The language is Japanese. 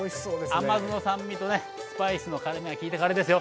甘酢の酸味とねスパイスの辛みがきいたカレーですよ。